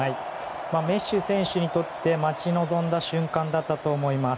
メッシ選手にとって待ち望んだ瞬間だったと思います。